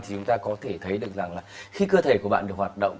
thì chúng ta có thể thấy được rằng là khi cơ thể của bạn được hoạt động